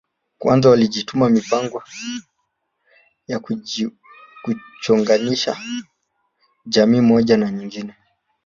Kwanza walitumia mipango ya kuchonganisha jamii moja na nyingine